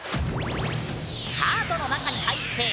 カートの中に入ってえ？